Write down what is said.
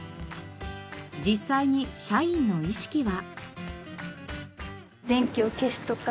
実際に社員の意識は。